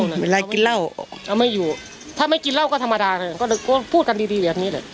เวลากินเหล้าเอาไม่อยู่ถ้าไม่กินเหล้าก็ธรรมดาพูดกันดีแบบนี้เลย